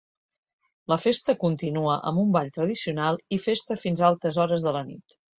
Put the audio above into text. La festa continua amb un ball tradicional i festa fins altes hores de la nit.